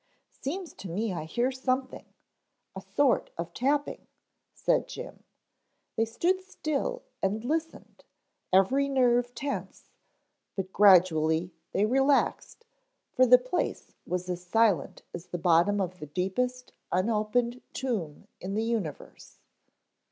"Seems to me I hear something, a sort of tapping," said Jim. They stood still and listened, every nerve tense, but gradually they relaxed for the place was as silent as the bottom of the deepest unopened tomb in the universe.